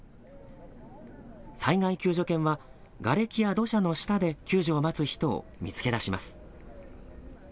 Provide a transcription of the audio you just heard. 災害救助犬はがれきや土砂の下で救助を待つ人を見つけ出します。